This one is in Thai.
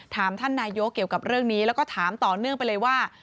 ท่านนายกเกี่ยวกับเรื่องนี้แล้วก็ถามต่อเนื่องไปเลยว่า